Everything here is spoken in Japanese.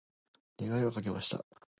願いをかけました。